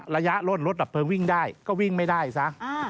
ระยะล่นรถดับเพลิงวิ่งได้ก็วิ่งไม่ได้ซะ